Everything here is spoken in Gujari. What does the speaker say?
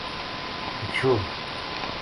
ہچھو